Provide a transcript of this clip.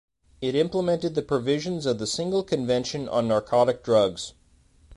It implemented the provisions of the Single Convention on Narcotic Drugs.